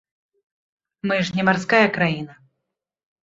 Мы ж не марская краіна.